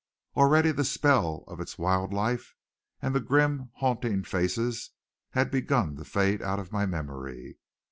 Already the spell of its wild life and the grim and haunting faces had begun to fade out of my memory.